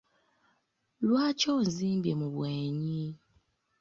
Lwaki onzimbye mu bwenyi?